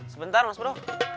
sebentar mas bro